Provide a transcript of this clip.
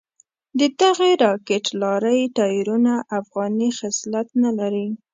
ددغې راکېټ لارۍ ټایرونه افغاني خصلت نه لري.